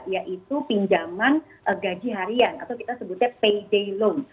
yaitu pinjaman gaji harian atau kita sebutnya payday loan